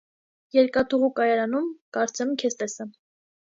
- Երկաթուղու կայարանում, կարծեմ, քեզ տեսա: